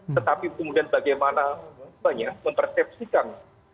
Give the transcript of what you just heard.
tetapi kemudian bagaimana mempersepsikan